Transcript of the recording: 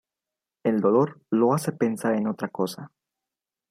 El dolor lo hace pensar en otra cosa.